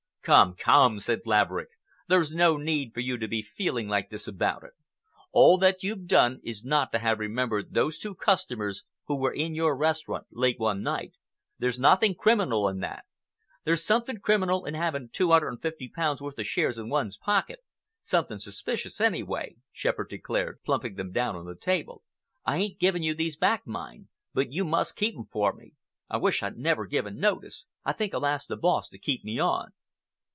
"Come, come!" said Laverick. "There's no need for you to be feeling like this about it. All that you've done is not to have remembered those two customers who were in your restaurant late one night. There's nothing criminal in that." "There's something criminal in having two hundred and fifty pounds' worth of shares in one's pocket—something suspicious, anyway," Shepherd declared, plumping them down on the table. "I ain't giving you these back, mind, but you must keep 'em for me. I wish I'd never given notice. I think I'll ask the boss to keep me on."